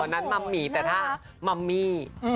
นั้นมัมหมี่แต่ถ้ามัมมี่